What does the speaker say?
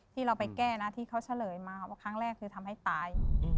ที่เราไปแก้นะที่เขาเฉลยมาว่าครั้งแรกคือทำให้ตาย